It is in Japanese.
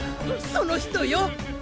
その人よ！